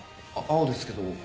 青ですけど。